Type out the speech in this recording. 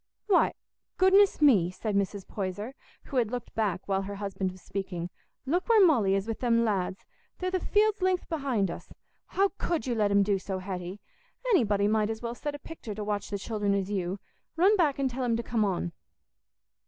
"Why, goodness me," said Mrs. Poyser, who had looked back while her husband was speaking, "look where Molly is with them lads! They're the field's length behind us. How could you let 'em do so, Hetty? Anybody might as well set a pictur' to watch the children as you. Run back and tell 'em to come on."